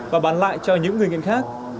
và bán lại cho những người nghiện khác